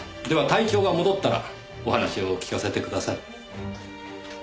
では体調が戻ったらお話を聞かせてください。